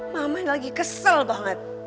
mama lagi kesel banget